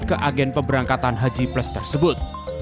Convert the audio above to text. ke agen pemberangkatan haji plus tersebut